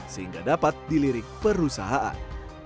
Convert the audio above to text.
sehingga dapat dilirik perusahaan